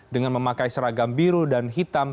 dengan memakai seragam biru dan hitam